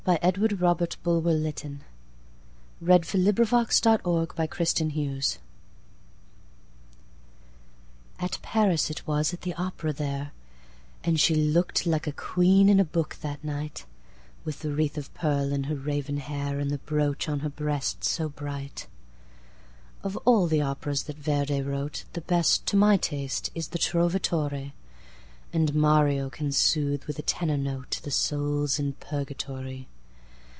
Edward Robert Bulwer Lytton, 1st earl of Lytton 1831–91 Aux Italiens BulwerLyER AT Paris it was, at the Opera there;—And she look'd like a queen in a book, that night, With the wreath of pearl in her raven hair, And the brooch on her breast, so bright. Of all the operas that Verdi wrote, The best, to my taste, is the Trovatore; And Mario can soothe with a tenor noteThe souls in Purgatory.